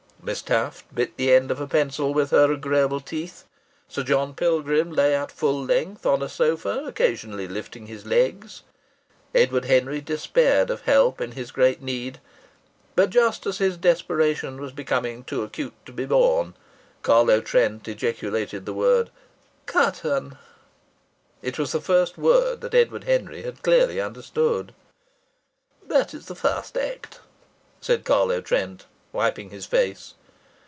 Miss Taft bit the end of a pencil with her agreeable teeth. Sir John Pilgrim lay at full length on a sofa, occasionally lifting his legs. Edward Henry despaired of help in his great need. But just as his desperation was becoming too acute to be borne, Carlo Trent ejaculated the word "Curtain." It was the first word that Edward Henry had clearly understood. "That's the first act," said Carlo Trent, wiping his face.